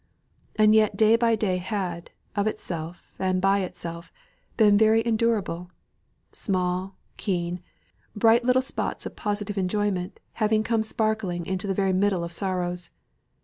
And yet day by day had, of itself, and by itself, been very endurable small, keen, bright little spots of positive enjoyment having come sparkling into the very middle of sorrows.